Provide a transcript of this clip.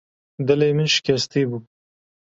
Dilê min şikestî bû.